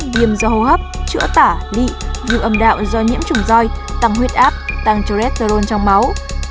viêm do hô hấp chữa tả lị viêm âm đạo do nhiễm trùng roi tăng huyết áp tăng cholesterol trong máu